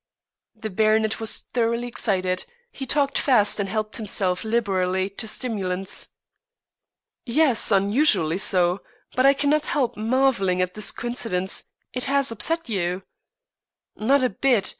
The baronet was thoroughly excited. He talked fast, and helped himself liberally to stimulants. "Yes, unusually so. But I cannot help marvelling at this coincidence. It has upset you." "Not a bit.